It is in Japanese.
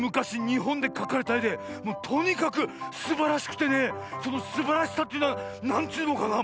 にほんでかかれたえでとにかくすばらしくてねそのすばらしさっていうのはなんちゅうのかな